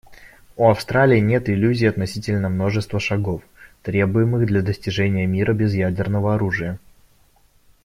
У Австралии нет иллюзий относительно множества шагов, требуемых для достижения мира без ядерного оружия.